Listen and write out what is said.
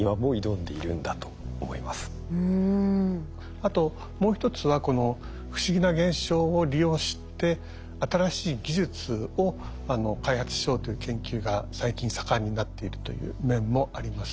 あともう１つはこの不思議な現象を利用して新しい技術を開発しようという研究が最近盛んになっているという面もあります。